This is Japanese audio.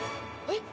えっ？